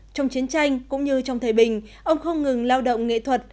trong chiến tranh cũng như trong thời bình ông không ngừng lao động nghệ thuật